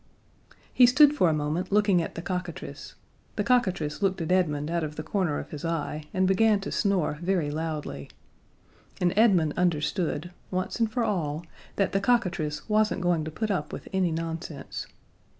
He stood for a moment looking at the cockatrice; the cockatrice looked at Edmund out of the corner of his eye and began to snore very loudly, and Edmund understood, once and for all, that the cockatrice wasn't going to put up with any nonsense.